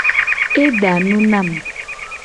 Eda nu nam.